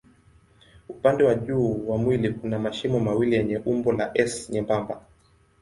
Upande wa juu wa mwili kuna mashimo mawili yenye umbo la S nyembamba.